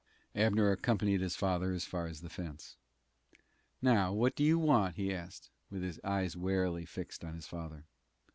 Abner accompanied his father as far as the fence. "Now, what do you want?" he asked, with his eyes warily fixed on his father.